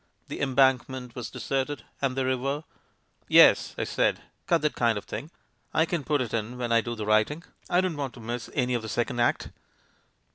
The Embank ment was deserted, and the river " "Yes," I said. "Cut that kind of thing— I can put it in when I do the writing. I don't want to miss any of the second act."